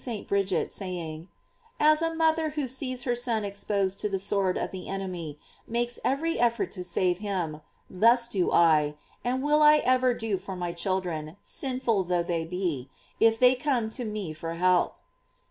ed Virgin herself revealed this to St. Bridget, saying: "As a mother who sees her son exposed to the sword of the enemy, makes every effort to save him, thus do I, and will I ever do for my children, sinful though they be, if they come to me for help."